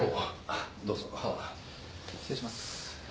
どうぞ失礼します